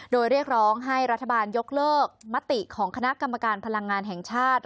โดยเรียกร้องให้รัฐบาลยกเลิกมติของคณะกรรมการพลังงานแห่งชาติ